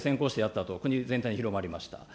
あと国全体に広まりました。